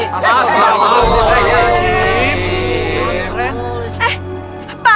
putra gue mau berdua kemana